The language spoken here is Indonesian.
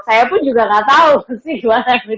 saya pun juga gak tau sih gimana gitu